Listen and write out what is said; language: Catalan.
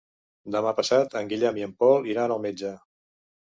Demà passat en Guillem i en Pol iran al metge.